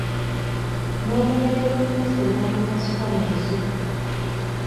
N’obumere bw’emmese n’abukasuka mu lusuku.